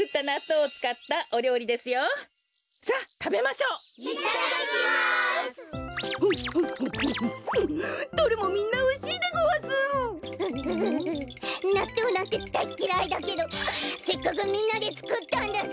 うううなっとうなんてだいっきらいだけどせっかくみんなでつくったんだし。